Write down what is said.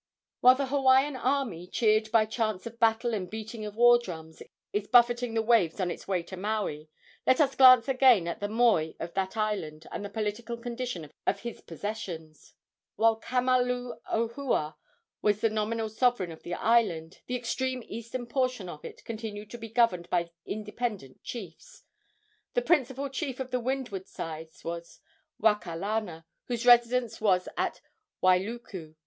While the Hawaiian army, cheered by chants of battle and beating of war drums, is buffeting the waves on its way to Maui, let us glance again at the moi of that island and the political condition of his possessions. While Kamaluohua was the nominal sovereign of the island, the extreme eastern portion of it continued to be governed by independent chiefs. The principal chief of the windward side was Wakalana, whose residence was at Wailuku.